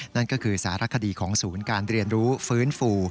นั่นก็คือสารคดีของศูนย์การเรียนรู้ฟื้นฟู